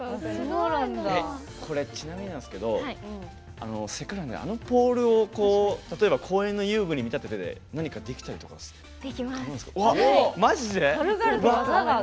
これ、ちなみになんですけどせっかくなんで、あのポールを公園の遊具に見立てて何かできたりする？